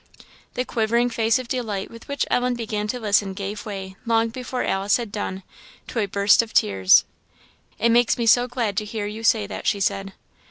The quivering face of delight with which Ellen began to listen gave way, long before Alice had done, to a burst of tears. "It makes me so glad to hear you say that!" she said.